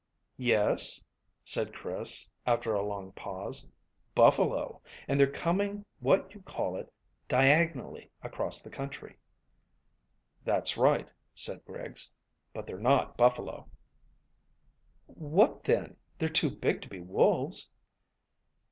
"Yes," said Chris, after a long pause, "buffalo, and they're coming what you call it diagonally across the country." "That's right," said Griggs; "but they're not buffalo." "What then? They're too big to be wolves."